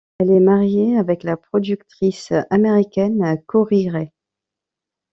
Elle est mariée avec la productrice américaine Kori Rae.